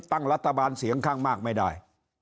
ตั้งรัฐบาลเสียงข้างมากไม่ได้